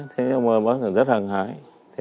thế nhưng mà bản thân rất hàng hải